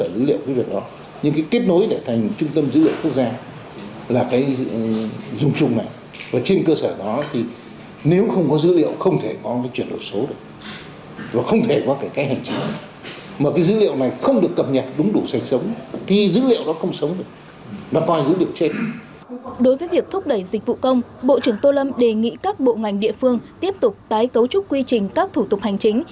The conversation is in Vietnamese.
đối với việc thúc đẩy dịch vụ công bộ trưởng tô lâm đề nghị các bộ ngành địa phương tiếp tục tái cấu trúc quy trình các thủ tục hành chính